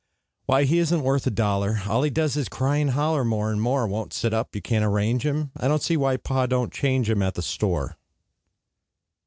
Why, he isn't worth a dollar! All he does is cry and holler More and more; Won't sit up you can't arrange him, I don't see why Pa do'n't change him At the store.